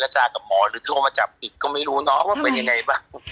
จากับหมอหรือโทรมาจับอีกก็ไม่รู้เนาะว่าเป็นยังไงบ้าง